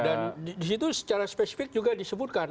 dan di situ secara spesifik juga disebutkan